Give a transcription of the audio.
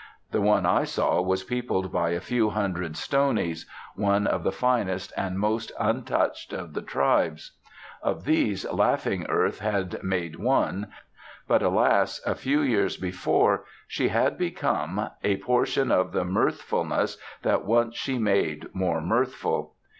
The one I saw was peopled by a few hundred Stonies, one of the finest and most untouched of the tribes. Of these Laughing Earth had made one, but alas! a few years before she had become "a portion of the mirthfulness That once she made more mirthful."